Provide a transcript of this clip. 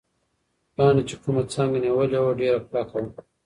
پاڼې چې کومه څانګه نیولې وه، ډېره کلکه وه.